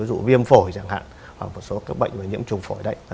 ví dụ viêm phổi chẳng hạn hoặc một số cái bệnh mà nhiễm trùng phổi đấy